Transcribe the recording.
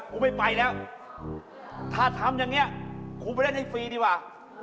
ไม่ไปแล้วถ้าทำอย่างนี้กูไปเล่นให้ฟรีดีกว่า